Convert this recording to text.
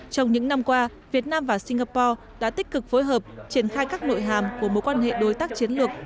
trong những năm qua việt nam và singapore đã tích cực phối hợp triển khai các nội hàm của mối quan hệ đối tác chiến lược